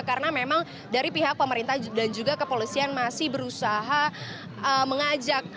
karena memang dari pihak pemerintah dan juga kepolisian masih berusaha mengajak